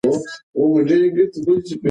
موږ باید د نورو کلتورونو درناوی وکړو.